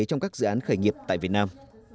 trong các dự án khởi nghiệp tại việt nam